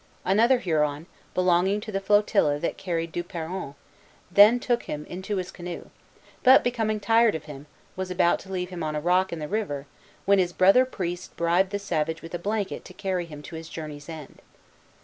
Another Huron, belonging to the flotilla that carried Du Peron, then took him into his canoe; but, becoming tired of him, was about to leave him on a rock in the river, when his brother priest bribed the savage with a blanket to carry him to his journey's end.